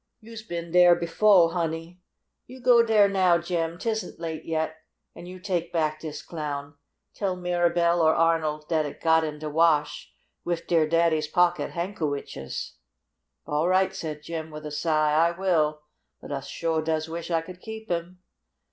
You's been dere befo', honey. You go dere now, Jim tisn't late yet an' you take back dis Clown. Tell Mirabell or Arnold dat it got in de wash wif dere daddy's pocket hankowitches." "All right," said Jim, with a sigh. "I will. But I suah does wish we could keep him!"